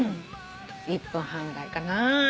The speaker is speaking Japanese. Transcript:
１分半ぐらいかな？